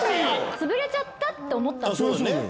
潰れちゃったって思ったんですよ。